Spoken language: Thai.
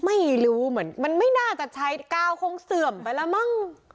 ไม่รู้เหมือนมันไม่น่าจะใช้กาวคงเสื่อมไปแล้วมั้ง